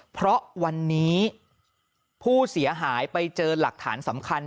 เพราะวันนี้ผู้เสียหายไปเจอหลักฐานสำคัญ